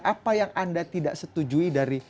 apa yang anda tidak setujui dari